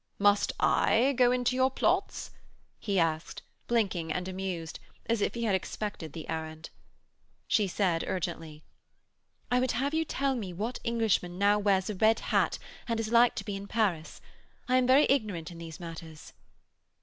'Must I go into your plots?' he asked, blinking and amused, as if he had expected the errand. She said urgently: 'I would have you tell me what Englishman now wears a red hat and is like to be in Paris. I am very ignorant in these matters.'